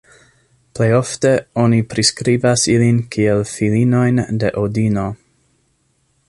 Plejofte oni priskribas ilin kiel filinojn de Odino.